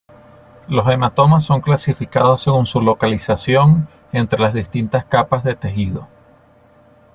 Los hematomas son clasificados según su localización entre las distintas capas de tejido.